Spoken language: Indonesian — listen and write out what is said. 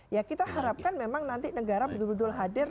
ya kita harapkan memang nanti negara betul betul hadir